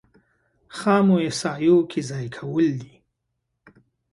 خامو احصایو کې ځای کول دي.